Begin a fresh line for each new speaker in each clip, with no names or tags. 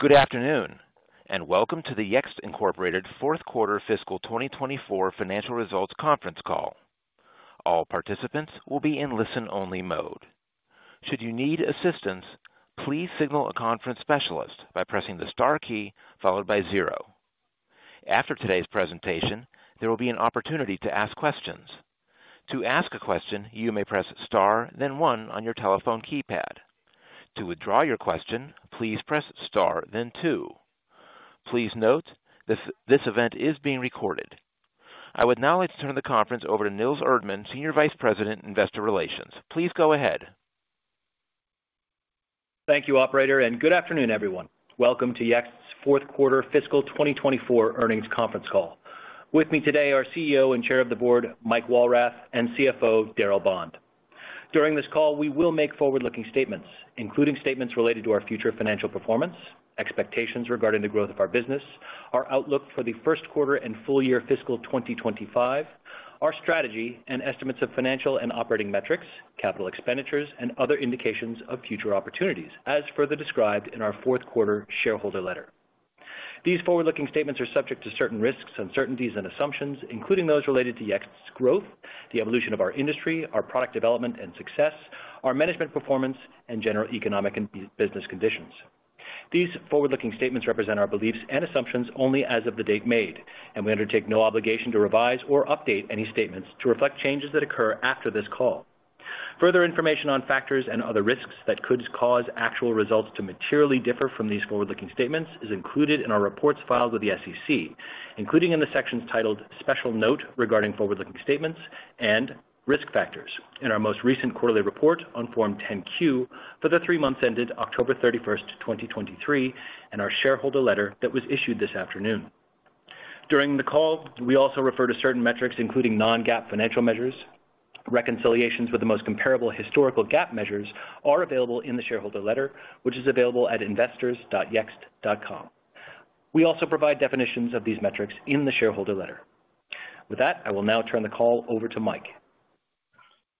Good afternoon and welcome to the Yext Incorporated fourth quarter fiscal 2024 financial results conference call. All participants will be in listen-only mode. Should you need assistance, please signal a conference specialist by pressing the star key followed by zero. After today's presentation, there will be an opportunity to ask questions. To ask a question, you may press star then one on your telephone keypad. To withdraw your question, please press star then two. Please note this event is being recorded. I would now like to turn the conference over to Nils Erdmann, Senior Vice President, Investor Relations. Please go ahead.
Thank you, operator, and good afternoon, everyone. Welcome to Yext's fourth quarter fiscal 2024 earnings conference call. With me today are CEO and Chair of the Board Mike Walrath and CFO Darryl Bond. During this call, we will make forward-looking statements, including statements related to our future financial performance, expectations regarding the growth of our business, our outlook for the first quarter and full year fiscal 2025, our strategy and estimates of financial and operating metrics, capital expenditures, and other indications of future opportunities, as further described in our fourth quarter shareholder letter. These forward-looking statements are subject to certain risks, uncertainties, and assumptions, including those related to Yext's growth, the evolution of our industry, our product development and success, our management performance, and general economic and business conditions. These forward-looking statements represent our beliefs and assumptions only as of the date made, and we undertake no obligation to revise or update any statements to reflect changes that occur after this call. Further information on factors and other risks that could cause actual results to materially differ from these forward-looking statements is included in our reports filed with the SEC, including in the sections titled "Special Note Regarding Forward-Looking Statements" and "Risk Factors" in our most recent quarterly report on Form 10-Q for the three months ended October 31, 2023, and our shareholder letter that was issued this afternoon. During the call, we also refer to certain metrics, including non-GAAP financial measures. Reconciliations with the most comparable historical GAAP measures are available in the shareholder letter, which is available at investors.yext.com. We also provide definitions of these metrics in the shareholder letter. With that, I will now turn the call over to Mike.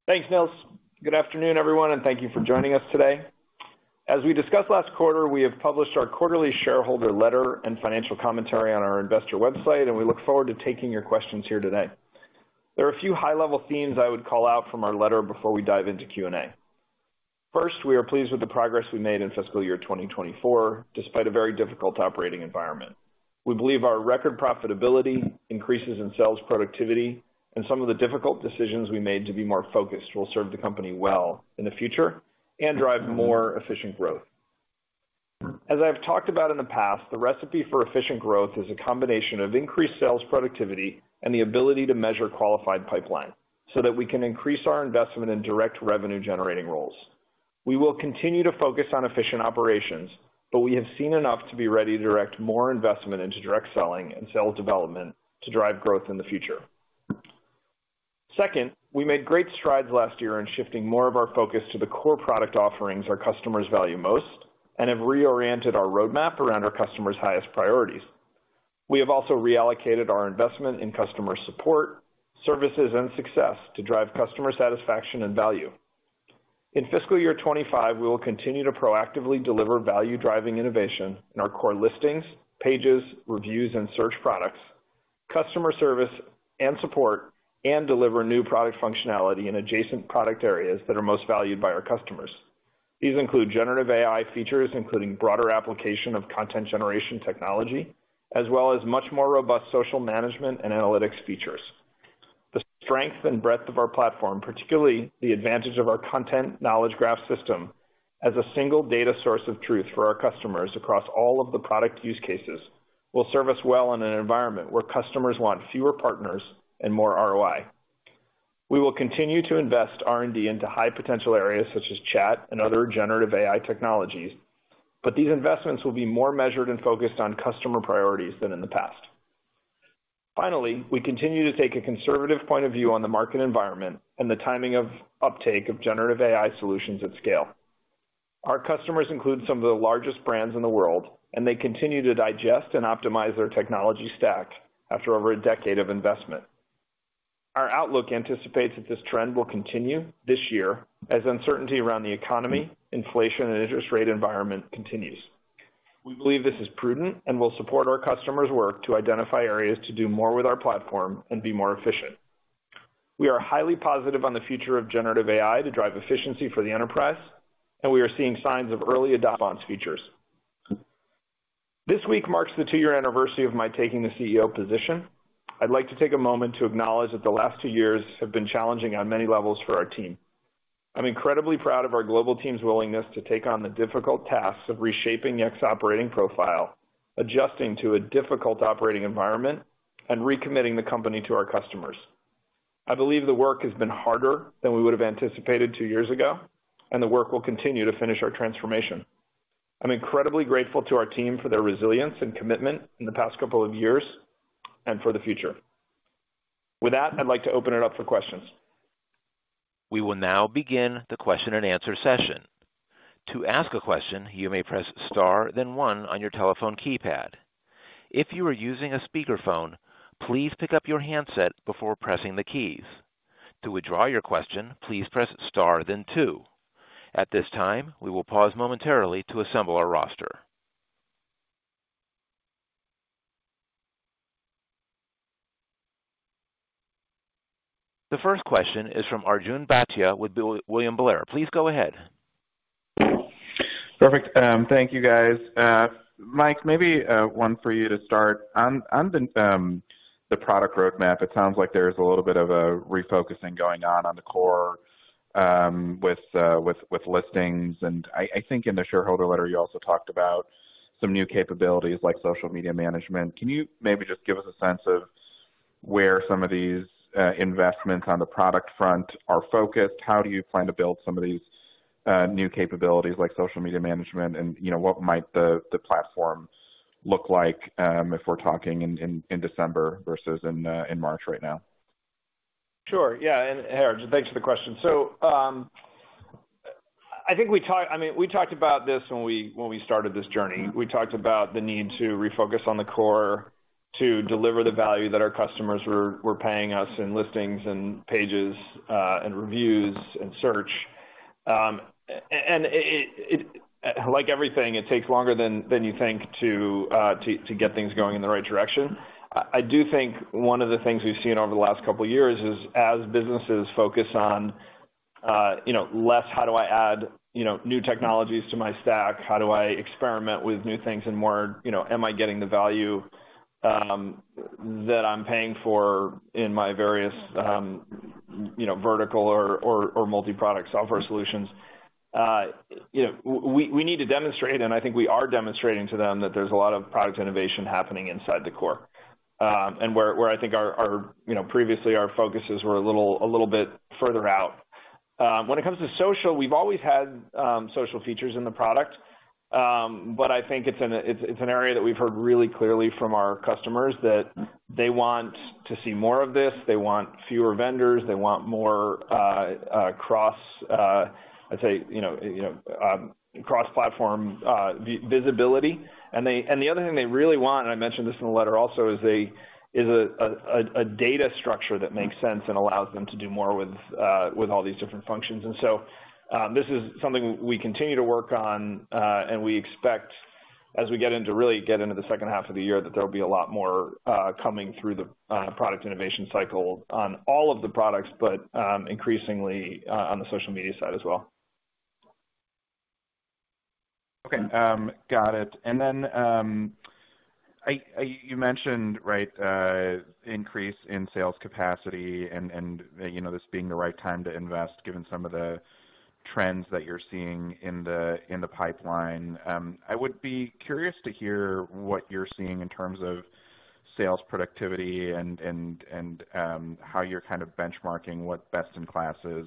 Thanks, Nils. Good afternoon, everyone, and thank you for joining us today. As we discussed last quarter, we have published our quarterly shareholder letter and financial commentary on our investor website, and we look forward to taking your questions here today. There are a few high-level themes I would call out from our letter before we dive into Q&A. First, we are pleased with the progress we made in fiscal year 2024 despite a very difficult operating environment. We believe our record profitability, increases in sales productivity, and some of the difficult decisions we made to be more focused will serve the company well in the future and drive more efficient growth. As I have talked about in the past, the recipe for efficient growth is a combination of increased sales productivity and the ability to measure qualified pipeline so that we can increase our investment in direct revenue-generating roles. We will continue to focus on efficient operations, but we have seen enough to be ready to direct more investment into direct selling and sales development to drive growth in the future. Second, we made great strides last year in shifting more of our focus to the core product offerings our customers value most and have reoriented our roadmap around our customers' highest priorities. We have also reallocated our investment in customer support, services, and success to drive customer satisfaction and value. In fiscal year 2025, we will continue to proactively deliver value-driving innovation in our core Listings, Pages, Reviews, and Search products, customer service and support, and deliver new product functionality in adjacent product areas that are most valued by our customers. These include generative AI features, including broader application of content generation technology, as well as much more robust social management and analytics features. The strength and breadth of our platform, particularly the advantage of our content Knowledge Graph system as a single data source of truth for our customers across all of the product use cases, will serve us well in an environment where customers want fewer partners and more ROI. We will continue to invest R&D into high-potential areas such as Chat and other generative AI technologies, but these investments will be more measured and focused on customer priorities than in the past. Finally, we continue to take a conservative point of view on the market environment and the timing of uptake of generative AI solutions at scale. Our customers include some of the largest brands in the world, and they continue to digest and optimize their technology stack after over a decade of investment. Our outlook anticipates that this trend will continue this year as uncertainty around the economy, inflation, and interest rate environment continues. We believe this is prudent and will support our customers' work to identify areas to do more with our platform and be more efficient. We are highly positive on the future of generative AI to drive efficiency for the enterprise, and we are seeing signs of early adoption features. This week marks the two-year anniversary of my taking the CEO position. I'd like to take a moment to acknowledge that the last two years have been challenging on many levels for our team. I'm incredibly proud of our global team's willingness to take on the difficult tasks of reshaping Yext's operating profile, adjusting to a difficult operating environment, and recommitting the company to our customers. I believe the work has been harder than we would have anticipated two years ago, and the work will continue to finish our transformation. I'm incredibly grateful to our team for their resilience and commitment in the past couple of years and for the future. With that, I'd like to open it up for questions.
We will now begin the question-and-answer session. To ask a question, you may press star then one on your telephone keypad. If you are using a speakerphone, please pick up your handset before pressing the keys. To withdraw your question, please press star then two. At this time, we will pause momentarily to assemble our roster. The first question is from Arjun Bhatia with William Blair. Please go ahead.
Perfect. Thank you, guys. Mike, maybe one for you to start. On the product roadmap, it sounds like there's a little bit of a refocusing going on on the core with listings. And I think in the shareholder letter, you also talked about some new capabilities like social media management. Can you maybe just give us a sense of where some of these investments on the product front are focused? How do you plan to build some of these new capabilities like social media management, and what might the platform look like if we're talking in December versus in March right now?
Sure. Yeah. And Howard, thanks for the question. So I think we talked about this when we started this journey. We talked about the need to refocus on the core to deliver the value that our customers were paying us in Listings and Pages and Reviews and Search. And like everything, it takes longer than you think to get things going in the right direction. I do think one of the things we've seen over the last couple of years is as businesses focus on less, "How do I add new technologies to my stack? How do I experiment with new things and more? Am I getting the value that I'm paying for in my various vertical or multi-product software solutions?" We need to demonstrate, and I think we are demonstrating to them, that there's a lot of product innovation happening inside the core and where I think previously our focuses were a little bit further out. When it comes to social, we've always had social features in the product, but I think it's an area that we've heard really clearly from our customers that they want to see more of this. They want fewer vendors. They want more, I'd say, cross-platform visibility. And the other thing they really want, and I mentioned this in the letter also, is a data structure that makes sense and allows them to do more with all these different functions. This is something we continue to work on, and we expect, as we get into the second half of the year, that there'll be a lot more coming through the product innovation cycle on all of the products, but increasingly on the social media side as well.
Okay. Got it. And then you mentioned an increase in sales capacity and this being the right time to invest given some of the trends that you're seeing in the pipeline. I would be curious to hear what you're seeing in terms of sales productivity and how you're kind of benchmarking what best in class is,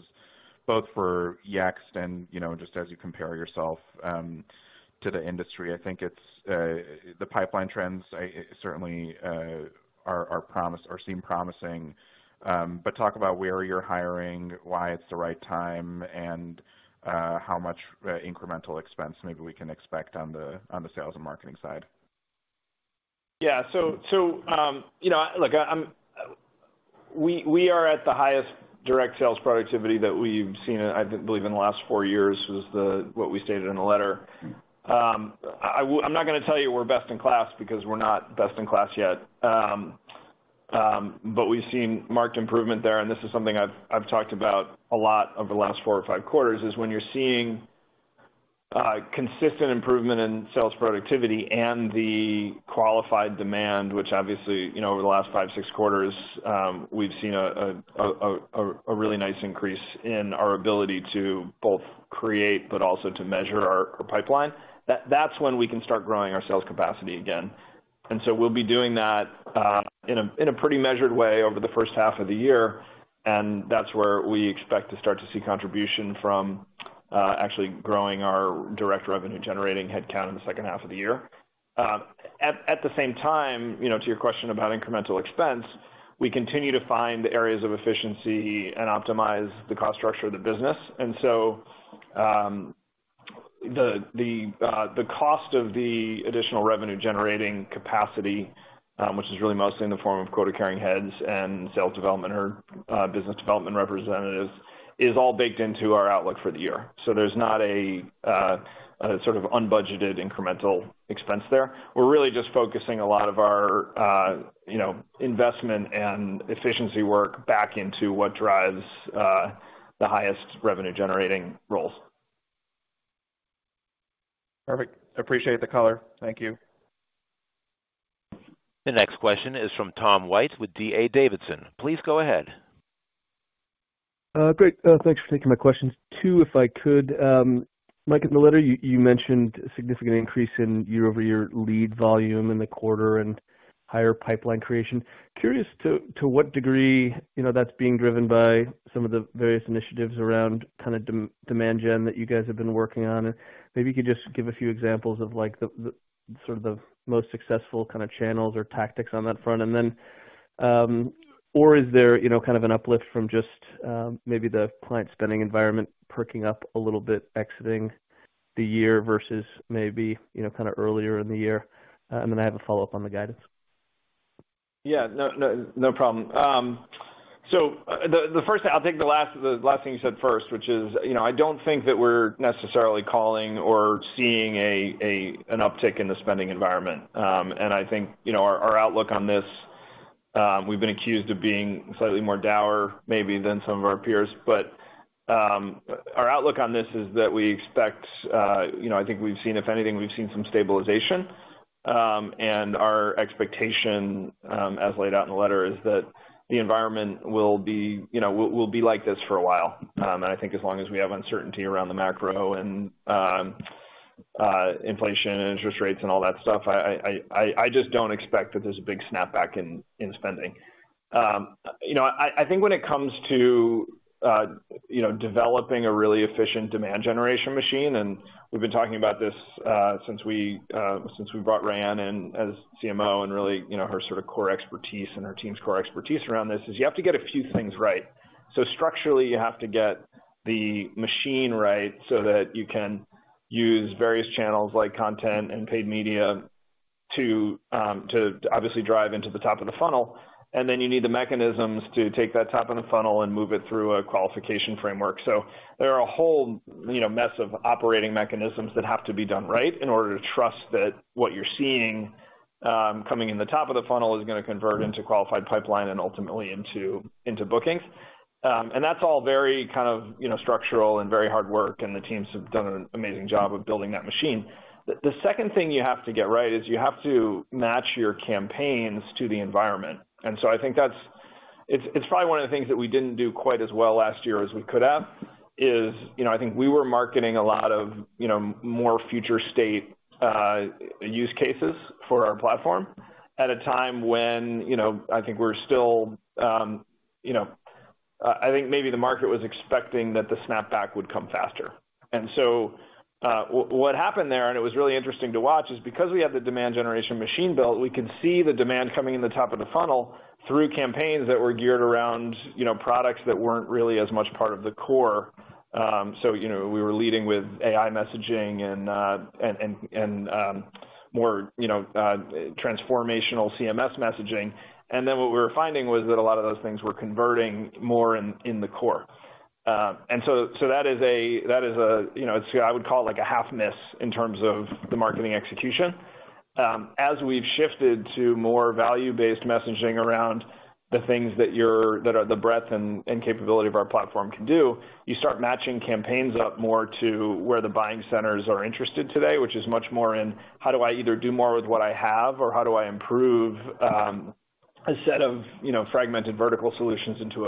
both for Yext and just as you compare yourself to the industry. I think the pipeline trends certainly seem promising. But talk about where you're hiring, why it's the right time, and how much incremental expense maybe we can expect on the sales and marketing side.
Yeah. So look, we are at the highest direct sales productivity that we've seen, I believe, in the last 4 years was what we stated in the letter. I'm not going to tell you we're best in class because we're not best in class yet. But we've seen marked improvement there. And this is something I've talked about a lot over the last four or five quarters, is when you're seeing consistent improvement in sales productivity and the qualified demand, which obviously, over the last 5, 6 quarters, we've seen a really nice increase in our ability to both create but also to measure our pipeline, that's when we can start growing our sales capacity again. And so we'll be doing that in a pretty measured way over the first half of the year. That's where we expect to start to see contribution from actually growing our direct revenue-generating headcount in the second half of the year. At the same time, to your question about incremental expense, we continue to find areas of efficiency and optimize the cost structure of the business. So the cost of the additional revenue-generating capacity, which is really mostly in the form of quota-carrying heads and sales development or business development representatives, is all baked into our outlook for the year. There's not a sort of unbudgeted incremental expense there. We're really just focusing a lot of our investment and efficiency work back into what drives the highest revenue-generating roles.
Perfect. Appreciate the color. Thank you.
The next question is from Tom White with D.A. Davidson. Please go ahead.
Great. Thanks for taking my questions. Two, if I could. Mike, in the letter, you mentioned a significant increase in year-over-year lead volume in the quarter and higher pipeline creation. Curious to what degree that's being driven by some of the various initiatives around kind of demand gen that you guys have been working on. And maybe you could just give a few examples of sort of the most successful kind of channels or tactics on that front. Or is there kind of an uplift from just maybe the client spending environment perking up a little bit, exiting the year versus maybe kind of earlier in the year? And then I have a follow-up on the guidance.
Yeah. No problem. So the first thing, I'll take the last thing you said first, which is, I don't think that we're necessarily calling or seeing an uptick in the spending environment. And I think our outlook on this, we've been accused of being slightly more dour, maybe than some of our peers. But our outlook on this is that we expect. I think we've seen, if anything, we've seen some stabilization. And our expectation, as laid out in the letter, is that the environment will be like this for a while. And I think as long as we have uncertainty around the macro and inflation and interest rates and all that stuff, I just don't expect that there's a big snapback in spending. I think when it comes to developing a really efficient demand generation machine (and we've been talking about this since we brought Raianne in as CMO and really her sort of core expertise and her team's core expertise around this) is you have to get a few things right. So structurally, you have to get the machine right so that you can use various channels like content and paid media to obviously drive into the top of the funnel. And then you need the mechanisms to take that top of the funnel and move it through a qualification framework. So there are a whole mess of operating mechanisms that have to be done right in order to trust that what you're seeing coming in the top of the funnel is going to convert into qualified pipeline and ultimately into bookings. That's all very kind of structural and very hard work, and the teams have done an amazing job of building that machine. The second thing you have to get right is you have to match your campaigns to the environment. So I think that it's probably one of the things that we didn't do quite as well last year as we could have is I think we were marketing a lot more future-state use cases for our platform at a time when I think we're still I think maybe the market was expecting that the snapback would come faster. And so what happened there, and it was really interesting to watch, is because we had the demand generation machine built, we could see the demand coming in the top of the funnel through campaigns that were geared around products that weren't really as much part of the core. So we were leading with AI messaging and more transformational CMS messaging. And then what we were finding was that a lot of those things were converting more in the core. And so that is a I would call it a half-miss in terms of the marketing execution. As we've shifted to more value-based messaging around the things that are the breadth and capability of our platform can do, you start matching campaigns up more to where the buying centers are interested today, which is much more in, "How do I either do more with what I have or how do I improve a set of fragmented vertical solutions into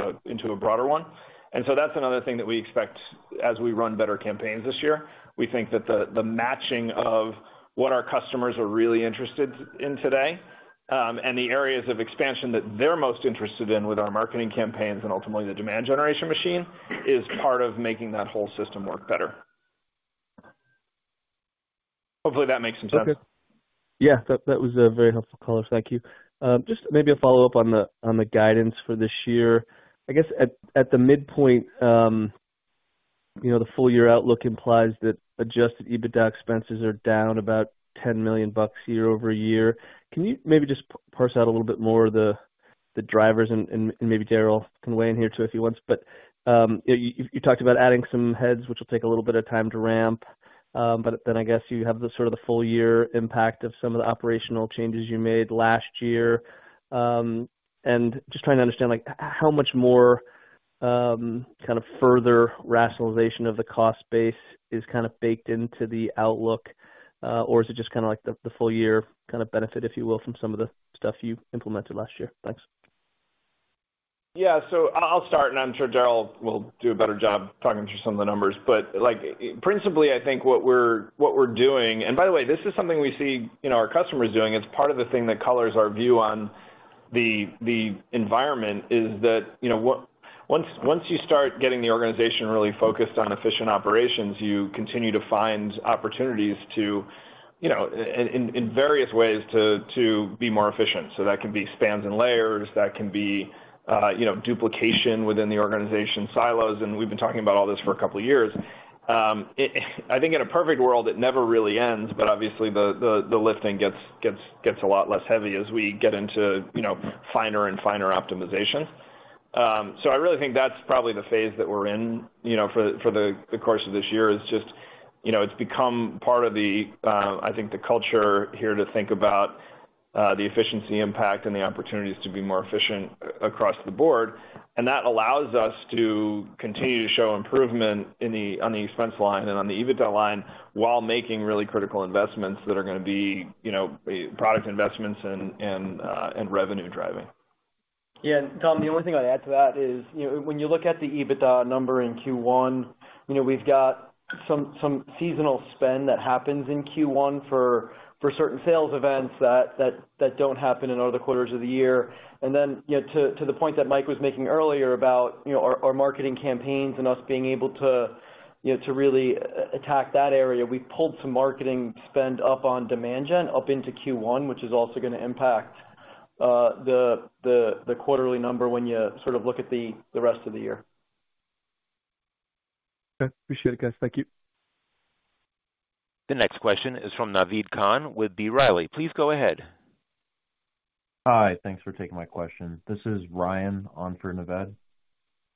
a broader one?" And so that's another thing that we expect as we run better campaigns this year. We think that the matching of what our customers are really interested in today and the areas of expansion that they're most interested in with our marketing campaigns and ultimately the demand generation machine is part of making that whole system work better. Hopefully, that makes some sense.
Okay. Yeah. That was a very helpful color. Thank you. Just maybe a follow-up on the guidance for this year. I guess at the midpoint, the full-year outlook implies that Adjusted EBITDA expenses are down about $10 million year-over-year. Can you maybe just parse out a little bit more of the drivers? And maybe Darryl can weigh in here too if he wants. But you talked about adding some heads, which will take a little bit of time to ramp. But then I guess you have sort of the full-year impact of some of the operational changes you made last year. And just trying to understand how much more kind of further rationalization of the cost base is kind of baked into the outlook, or is it just kind of the full-year kind of benefit, if you will, from some of the stuff you implemented last year? Thanks.
Yeah. So I'll start, and I'm sure Darryl will do a better job talking through some of the numbers. But principally, I think what we're doing and by the way, this is something we see our customers doing. It's part of the thing that colors our view on the environment is that once you start getting the organization really focused on efficient operations, you continue to find opportunities in various ways to be more efficient. So that can be spans and layers. That can be duplication within the organization, silos. And we've been talking about all this for a couple of years. I think in a perfect world, it never really ends, but obviously, the lifting gets a lot less heavy as we get into finer and finer optimizations. So I really think that's probably the phase that we're in for the course of this year: it's just become part of, I think, the culture here to think about the efficiency impact and the opportunities to be more efficient across the board. And that allows us to continue to show improvement on the expense line and on the EBITDA line while making really critical investments that are going to be product investments and revenue driving.
Yeah. Tom, the only thing I'd add to that is when you look at the EBITDA number in Q1, we've got some seasonal spend that happens in Q1 for certain sales events that don't happen in other quarters of the year. And then to the point that Mike was making earlier about our marketing campaigns and us being able to really attack that area, we've pulled some marketing spend up on demand gen up into Q1, which is also going to impact the quarterly number when you sort of look at the rest of the year.
Okay. Appreciate it, guys. Thank you.
The next question is from Naved Khan with B. Riley. Please go ahead.
Hi. Thanks for taking my question. This is Ryan on for Naved.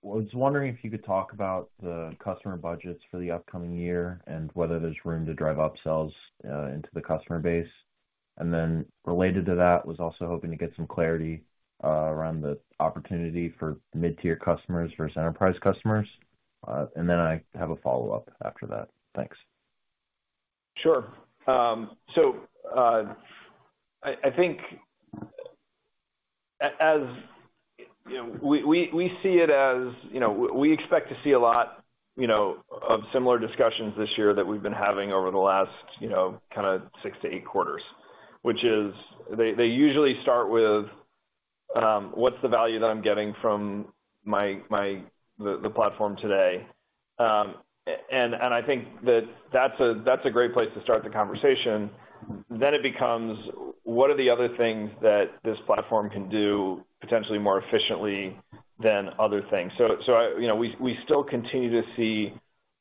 I was wondering if you could talk about the customer budgets for the upcoming year and whether there's room to drive upsells into the customer base. And then related to that, I was also hoping to get some clarity around the opportunity for mid-tier customers versus enterprise customers. And then I have a follow-up after that. Thanks.
Sure. So I think as we see it as we expect to see a lot of similar discussions this year that we've been having over the last kind of six to eight quarters, which is they usually start with, "What's the value that I'm getting from the platform today?" And I think that that's a great place to start the conversation. Then it becomes, "What are the other things that this platform can do potentially more efficiently than other things?" So we still continue to see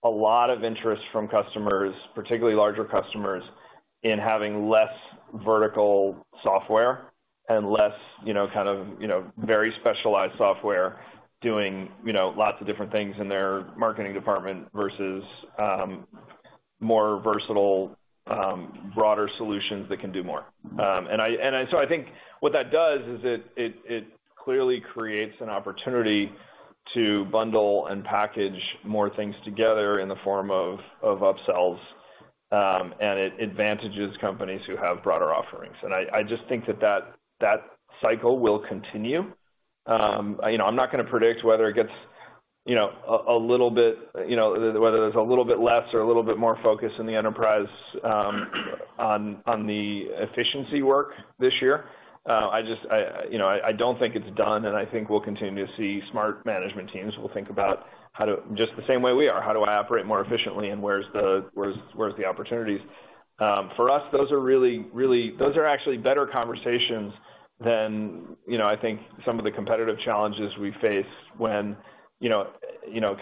a lot of interest from customers, particularly larger customers, in having less vertical software and less kind of very specialized software doing lots of different things in their marketing department versus more versatile, broader solutions that can do more. So I think what that does is it clearly creates an opportunity to bundle and package more things together in the form of upsells, and it advantages companies who have broader offerings. I just think that that cycle will continue. I'm not going to predict whether there's a little bit less or a little bit more focus in the enterprise on the efficiency work this year. I don't think it's done, and I think we'll continue to see smart management teams will think about how to just the same way we are, "How do I operate more efficiently, and where's the opportunities?" For us, those are really really those are actually better conversations than I think some of the competitive challenges we faced when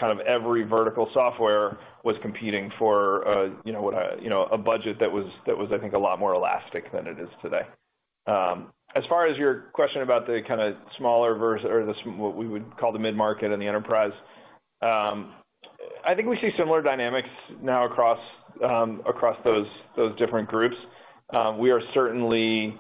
kind of every vertical software was competing for what a budget that was, I think, a lot more elastic than it is today. As far as your question about the kind of smaller versus or what we would call the mid-market and the enterprise, I think we see similar dynamics now across those different groups. We are certainly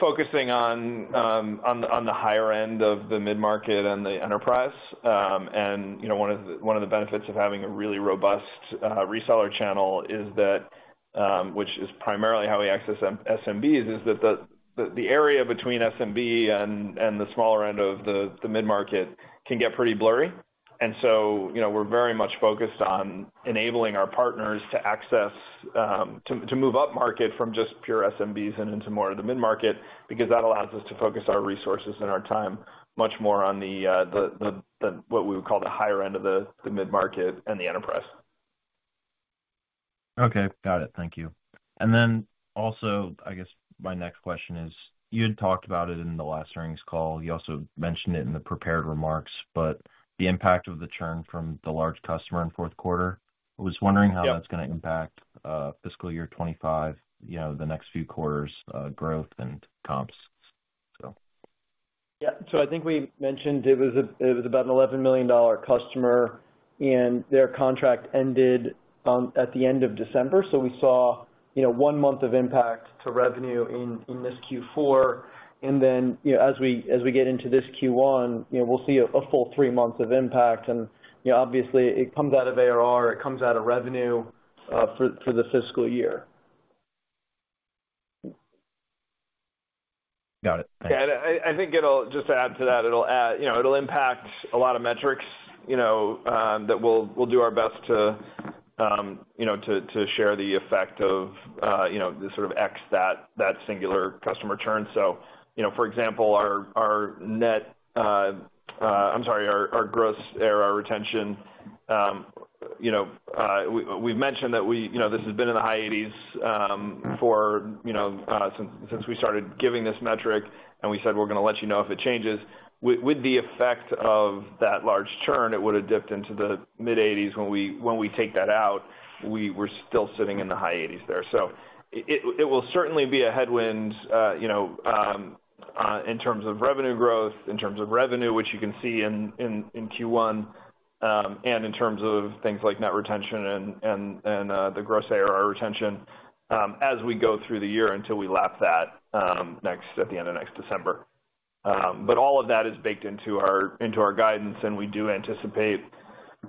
focusing on the higher end of the mid-market and the enterprise. One of the benefits of having a really robust reseller channel is that which is primarily how we access SMBs, is that the area between SMB and the smaller end of the mid-market can get pretty blurry. So we're very much focused on enabling our partners to access to move up market from just pure SMBs and into more of the mid-market because that allows us to focus our resources and our time much more on what we would call the higher end of the mid-market and the enterprise.
Okay. Got it. Thank you. And then also, I guess my next question is you had talked about it in the last earnings call. You also mentioned it in the prepared remarks, but the impact of the churn from the large customer in fourth quarter. I was wondering how that's going to impact fiscal year 2025, the next few quarters, growth and comps, so.
Yeah. I think we mentioned it was about an $11 million customer, and their contract ended at the end of December. We saw one month of impact to revenue in this Q4. Then as we get into this Q1, we'll see a full three months of impact. Obviously, it comes out of ARR. It comes out of revenue for the fiscal year.
Got it. Thanks.
Yeah. And I think just to add to that, it'll impact a lot of metrics that we'll do our best to share the effect of the sort of X that singular customer churns. So for example, our net I'm sorry, our gross ARR retention. We've mentioned that this has been in the high 80s since we started giving this metric, and we said, "We're going to let you know if it changes." With the effect of that large churn, it would have dipped into the mid-80s. When we take that out, we're still sitting in the high 80s there. So it will certainly be a headwind in terms of revenue growth, in terms of revenue, which you can see in Q1, and in terms of things like net retention and the gross ARR retention as we go through the year until we lap that at the end of next December. But all of that is baked into our guidance, and we do anticipate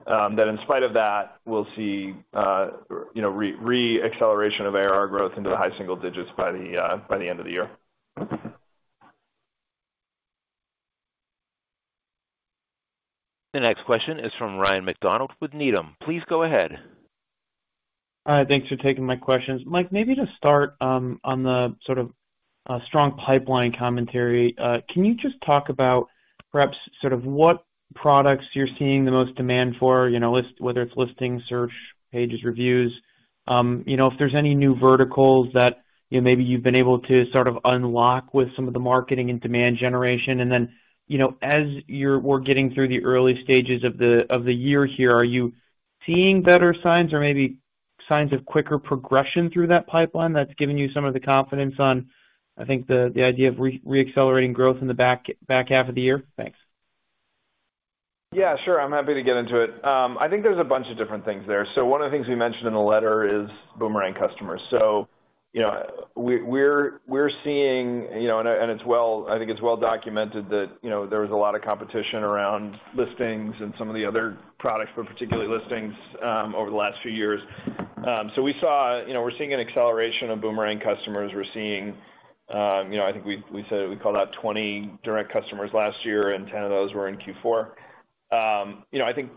that in spite of that, we'll see re-acceleration of ARR growth into the high single digits by the end of the year.
The next question is from Ryan MacDonald with Needham. Please go ahead.
Hi. Thanks for taking my questions. Mike, maybe to start on the sort of strong pipeline commentary, can you just talk about perhaps sort of what products you're seeing the most demand for, whether it's listings, search pages, reviews? If there's any new verticals that maybe you've been able to sort of unlock with some of the marketing and demand generation. And then as we're getting through the early stages of the year here, are you seeing better signs or maybe signs of quicker progression through that pipeline that's given you some of the confidence on, I think, the idea of re-accelerating growth in the back half of the year? Thanks.
Yeah. Sure. I'm happy to get into it. I think there's a bunch of different things there. So one of the things we mentioned in the letter is boomerang customers. So we're seeing, and I think it's well documented, that there was a lot of competition around listings and some of the other products, but particularly listings, over the last few years. So we saw, we're seeing an acceleration of boomerang customers. We're seeing, I think, we called out 20 direct customers last year, and 10 of those were in Q4. I think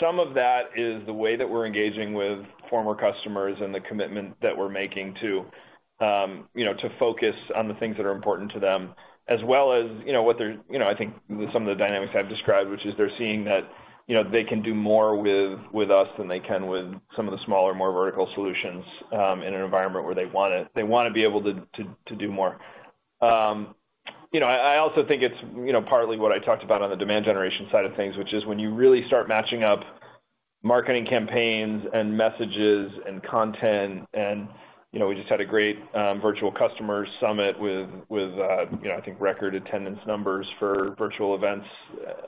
some of that is the way that we're engaging with former customers and the commitment that we're making to focus on the things that are important to them, as well as. I think some of the dynamics I've described, which is they're seeing that they can do more with us than they can with some of the smaller, more vertical solutions in an environment where they want to be able to do more. I also think it's partly what I talked about on the demand generation side of things, which is when you really start matching up marketing campaigns and messages and content. We just had a great virtual customers summit with, I think, record attendance numbers for virtual events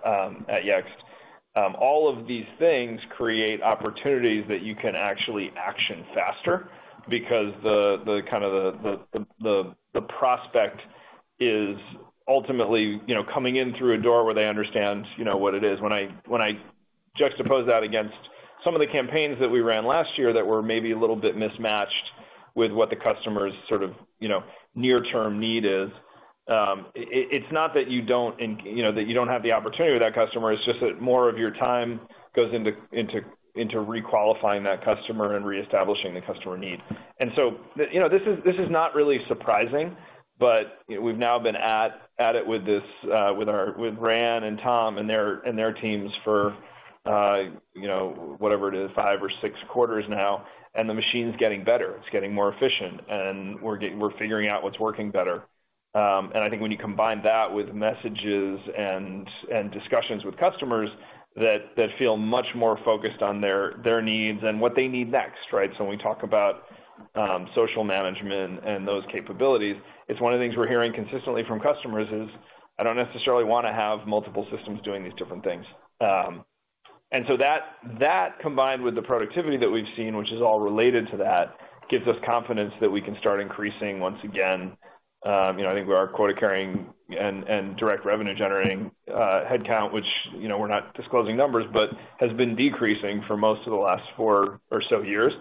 at Yext. All of these things create opportunities that you can actually action faster because kind of the prospect is ultimately coming in through a door where they understand what it is. When I juxtapose that against some of the campaigns that we ran last year that were maybe a little bit mismatched with what the customer's sort of near-term need is, it's not that you don't have the opportunity with that customer. It's just that more of your time goes into requalifying that customer and reestablishing the customer need. And so this is not really surprising, but we've now been at it with Ryan and Tom and their teams for whatever it is, five or six quarters now. And the machine's getting better. It's getting more efficient, and we're figuring out what's working better. And I think when you combine that with messages and discussions with customers that feel much more focused on their needs and what they need next, right? So when we talk about social management and those capabilities, it's one of the things we're hearing consistently from customers is, "I don't necessarily want to have multiple systems doing these different things." And so that combined with the productivity that we've seen, which is all related to that, gives us confidence that we can start increasing once again. I think we are quota-carrying and direct revenue-generating headcount, which we're not disclosing numbers, but has been decreasing for most of the last four or so years.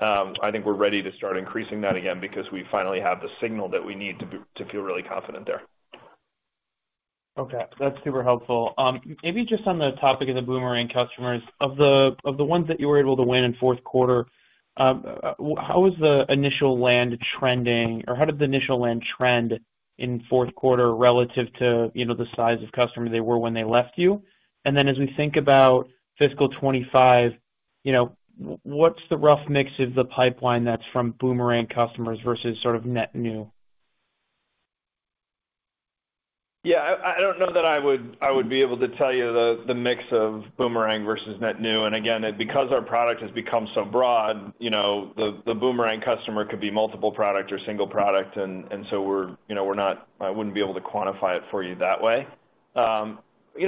I think we're ready to start increasing that again because we finally have the signal that we need to feel really confident there.
Okay. That's super helpful. Maybe just on the topic of the boomerang customers, of the ones that you were able to win in fourth quarter, how was the initial land trending or how did the initial land trend in fourth quarter relative to the size of customer they were when they left you? And then as we think about fiscal 2025, what's the rough mix of the pipeline that's from boomerang customers versus sort of net new?
Yeah. I don't know that I would be able to tell you the mix of boomerang versus net new. And again, because our product has become so broad, the boomerang customer could be multiple product or single product. I wouldn't be able to quantify it for you that way.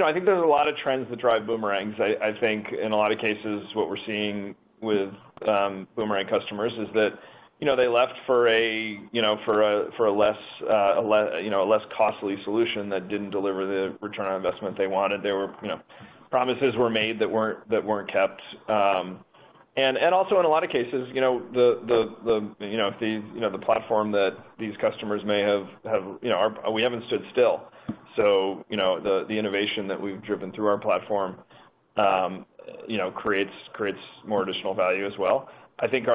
I think there's a lot of trends that drive boomerangs. I think in a lot of cases, what we're seeing with boomerang customers is that they left for a less costly solution that didn't deliver the return on investment they wanted. Promises were made that weren't kept. And also in a lot of cases, the platform that these customers may have we haven't stood still. So the innovation that we've driven through our platform creates more additional value as well. I think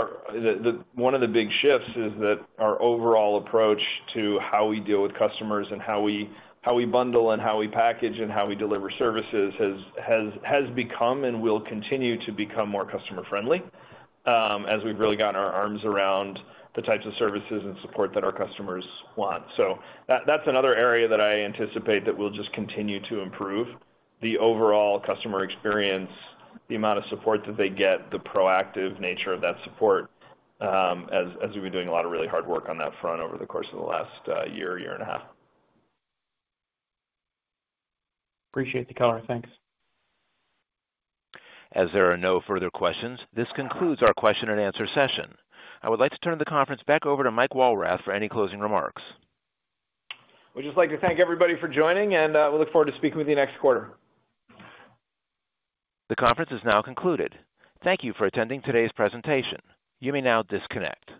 one of the big shifts is that our overall approach to how we deal with customers and how we bundle and how we package and how we deliver services has become and will continue to become more customer-friendly as we've really gotten our arms around the types of services and support that our customers want. So that's another area that I anticipate that we'll just continue to improve, the overall customer experience, the amount of support that they get, the proactive nature of that support as we've been doing a lot of really hard work on that front over the course of the last year, year and a half.
Appreciate the color. Thanks.
As there are no further questions, this concludes our question-and-answer session. I would like to turn the conference back over to Mike Walrath for any closing remarks.
We'd just like to thank everybody for joining, and we look forward to speaking with you next quarter.
The conference is now concluded. Thank you for attending today's presentation. You may now disconnect.